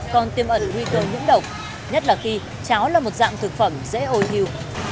còn tiêm ẩn huy cơ ngũng độc nhất là khi cháo là một dạng thực phẩm dễ ôi thiêu